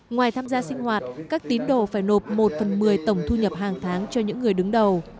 ngoài tham gia sinh hoạt các tín đồ phải nộp một phần một mươi tổng thu nhập hàng tháng cho những người đứng đầu